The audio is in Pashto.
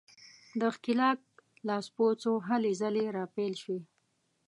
د ښکېلاک لاسپوڅو هلې ځلې راپیل شوې.